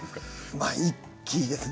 まあ一気にですね。